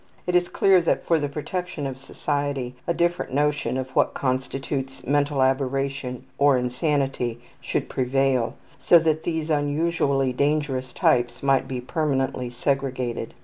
It is clear that for the protection of society a different notion of what constitutes mental aberration or insanity should prevail, so that these unusually dangerous types might be permanently segregated.